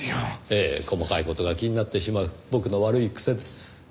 ええ細かい事が気になってしまう僕の悪い癖です。